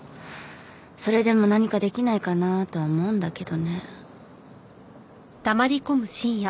それでも何かできないかなとは思うんだけどね。